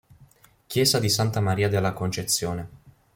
Chiesa di Santa Maria della Concezione